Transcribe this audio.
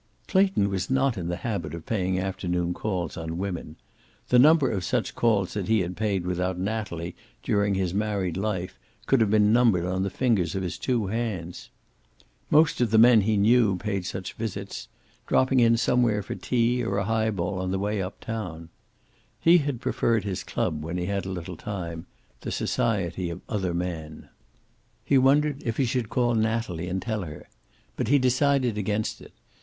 Clayton was not in the habit of paying afternoon calls on women. The number of such calls that he had paid without Natalie during his married life could have been numbered on the fingers of his two hands. Most of the men he knew paid such visits, dropping in somewhere for tea or a highball on the way uptown. He had preferred his club, when he had a little time, the society of other men. He wondered if he should call Natalie and tell her. But he decided against it.